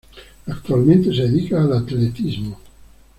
Actualmente se dedica al atletismo.